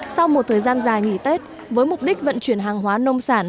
sau một thời gian dài nghỉ tết với mục đích vận chuyển hàng hóa nông sản